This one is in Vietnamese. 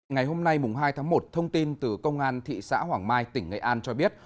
ngày hôm nay hai tháng một thông tin từ công an thị xã hoàng mai tỉnh nghệ an cho biết